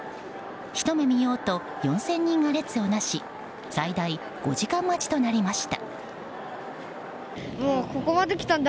ひと目見ようと４０００人が列をなし最大５時間待ちとなりました。